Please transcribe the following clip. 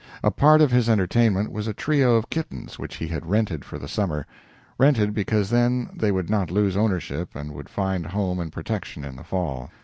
A part of his entertainment was a trio of kittens which he had rented for the summer rented because then they would not lose ownership and would find home and protection in the fall.